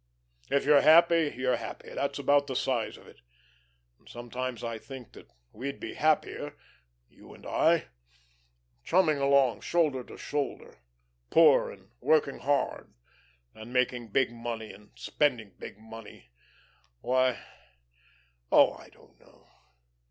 If you're happy, you're happy; that's about the size of it. And sometimes I think that we'd be happier you and I chumming along shoulder to shoulder, poor an' working hard, than making big money an' spending big money, why oh, I don't know